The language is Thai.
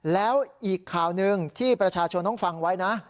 แล้วอีกข่าวหนึ่งที่ประชาชนต้องฟังไว้นะ